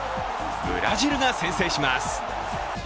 ブラジルが先制します。